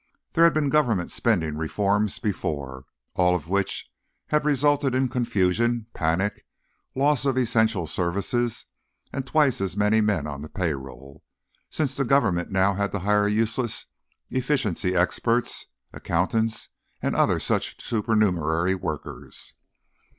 There had been government spending reforms before, almost all of which had resulted in confusion, panic, loss of essential services—and twice as many men on the payroll, since the government now had to hire useless efficiency experts, accountants and other such supernumerary workers.